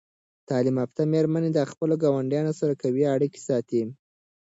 تعلیم یافته میرمنې د خپلو ګاونډیانو سره قوي اړیکې ساتي.